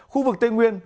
khu vực tây nguyên